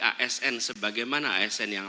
asn sebagaimana asn yang